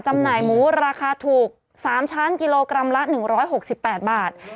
จำหน่ายหมูราคาถูก๓ชั้นกิโลกรัมละ๑๖๘บาท